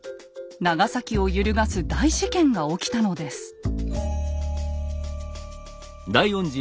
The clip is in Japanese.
長崎を揺るがす大事件が起きたのです。